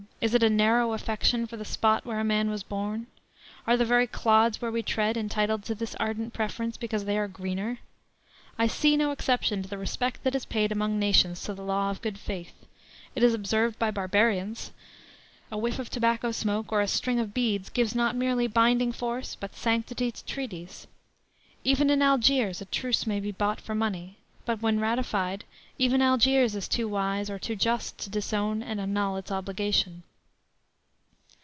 Is it a narrow affection for the spot where a man was born? Are the very clods where we tread entitled to this ardent preference because they are greener?~.~.~. I see no exception to the respect that is paid among nations to the law of good faith.~.~.~. It is observed by barbarians a whiff of tobacco smoke or a string of beads gives not merely binding force but sanctity to treaties. Even in Algiers a truce may be bought for money, but, when ratified, even Algiers is too wise or too just to disown and annul its obligation."